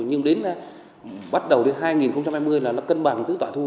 nhưng đến bắt đầu đến hai nghìn hai mươi là nó cân bằng tức tọa thu